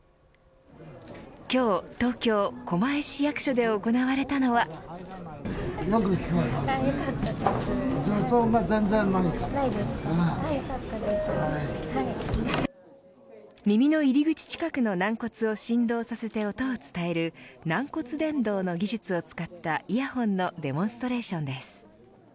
今日、東京狛江市役所で行われたのは耳の入り口近くの軟骨を振動させて音を伝える軟骨伝導の技術を使ったイヤホンのデモンストレーションです。